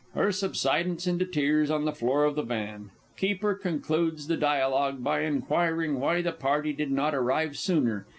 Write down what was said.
Her subsidence in tears, on the floor of the van._ Keeper _concludes the dialogue by inquiring why the party did not arrive sooner.